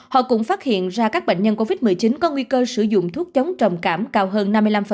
họ cũng phát hiện ra các bệnh nhân covid một mươi chín có nguy cơ sử dụng thuốc chống trầm cảm cao hơn năm mươi năm